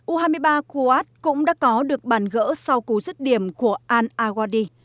u hai mươi ba kuat cũng đã có được bản gỡ sau cú giấc điểm của an agwadi